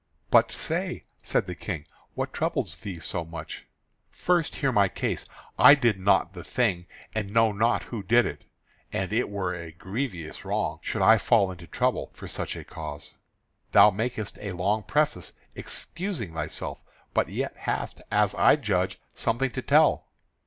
"But say," said the King, "what troubles thee so much?" "First hear my case. I did not the thing, and know not who did it, and it were a grievous wrong should I fall into trouble for such a cause." "Thou makest a long preface, excusing thyself, but yet hast, as I judge, something to tell."